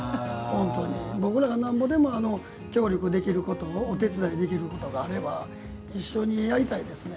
僕らがなんぼでも協力できることお手伝いできることがあれば一緒にやりたいですね。